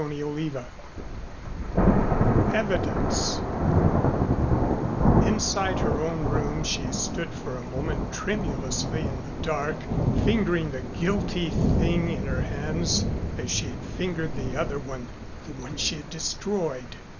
CHAPTER VIII EVIDENCE Inside her own room she stood for a moment tremulously in the dark, fingering the guilty thing in her hands as she had fingered the other one the one she had destroyed.